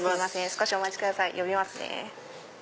少しお待ちください呼びますね。